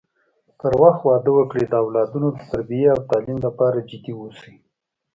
پر وخت واده وکړي د اولادونو د تربی او تعليم لپاره جدي اوسی